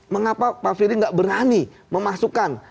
mengapa pak firly tidak berani memasukkan